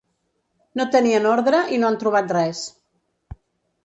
No tenien ordre i no han trobat res.